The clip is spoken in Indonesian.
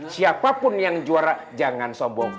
siapapun yang juara jangan sombong